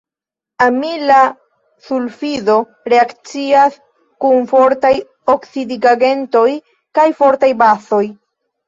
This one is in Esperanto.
Amila sulfido reakcias kun fortaj oksidigagentoj kaj fortaj bazoj.